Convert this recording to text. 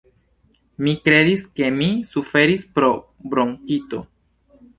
Mi kredis ke mi suferis pro bronkito!